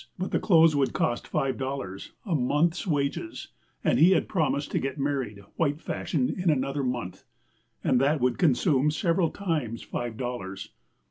But the clothes would cost five dollars, a month's wages, and he had promised to get married white fashion in another month, and that would consume several times five dollars.